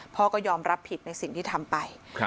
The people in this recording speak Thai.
พ่อก็ยอมรับผิดในสิ่งที่ทำไป